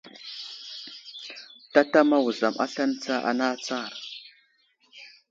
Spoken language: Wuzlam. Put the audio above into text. Tatamay wuzam aslane tsa ana atsar !